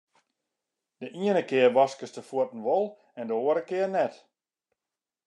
De iene kear waskest de fuotten wol en de oare kear net.